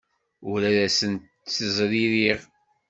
Ur ad asent-ttezririɣ.